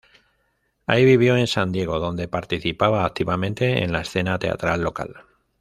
Ahí vivió en San Diego, donde participaba activamente en la escena teatral local.